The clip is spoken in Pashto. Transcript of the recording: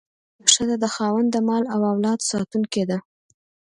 ښځه د خاوند د مال او اولاد ساتونکې ده.